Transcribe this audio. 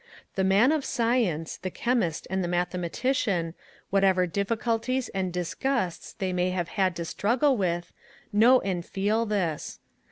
The Man of science, the Chemist and Mathematician, whatever difficulties and disgusts they may have had to struggle with, know and feel this.